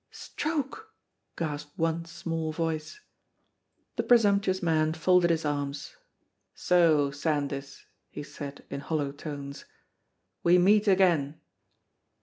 "Stroke!" gasped one small voice. The presumptuous man folded his arms. "So, Sandys," he said, in hollow tones, "we meet again!"